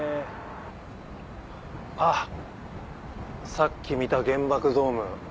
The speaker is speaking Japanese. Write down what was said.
あっさっき見た原爆ドーム。